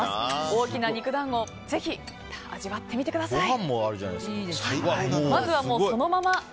大きな肉団子ぜひ味わってみてください。